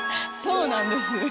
そうなんです。